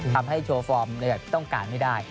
ทำให้โชว์ฟอร์มต้องการไม่ได้